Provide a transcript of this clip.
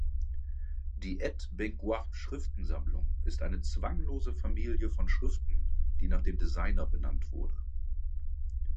Die Ed Benguiat-Schriftensammlung ist eine zwanglose Familie von Schriften, die nach dem Designer benannt wurde.